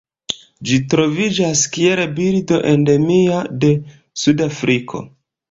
Ĝi troviĝas kiel birdo endemia de Sudafriko.